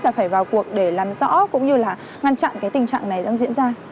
là phải vào cuộc để làm rõ cũng như là ngăn chặn cái tình trạng này đang diễn ra